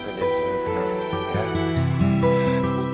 kamu duduk aja disini tenang ya